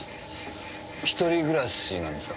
一人暮らしなんですか？